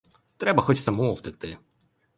Треба хоч самому втекти.